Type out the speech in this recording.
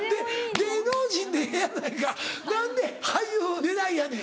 「芸能人」でええやないか何で俳優狙いやねん？